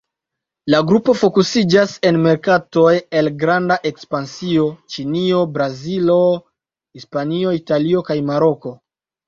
La grupo fokusiĝas en merkatoj el granda ekspansio: Ĉinio, Brazilo, Hispanio, Italio kaj Maroko.